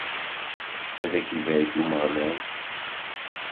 Ad aken-ibarek Umeɣlal.